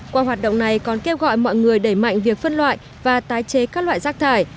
qua hoạt động này còn kêu gọi mọi người đẩy mạnh việc phân loại và tái chế các loại rác thải